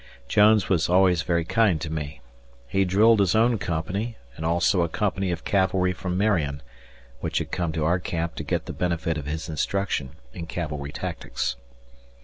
Jones was always very kind to me. He drilled his own company and also a company of cavalry from Marion, which had come to our camp to get the benefit of his instruction in cavalry tactics.